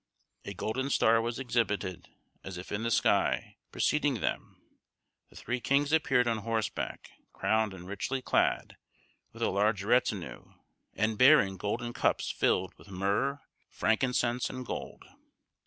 A golden star was exhibited, as if in the sky, preceding them; the Three Kings appeared on horseback, crowned and richly clad, with a large retinue, and bearing golden cups filled with myrrh, frankincense, and gold.